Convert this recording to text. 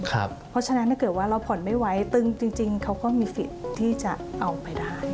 เพราะฉะนั้นถ้าเกิดว่าเราผ่อนไม่ไหวตึงจริงเขาก็มีสิทธิ์ที่จะเอาไปได้